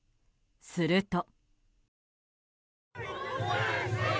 すると。